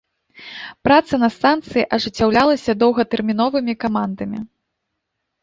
Праца на станцыі ажыццяўлялася доўгатэрміновымі камандамі.